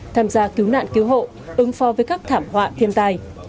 tham gia cứu nạn cứu hộ ứng pho với các thảm họa thiên tai